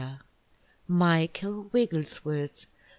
Michael Wigglesworth.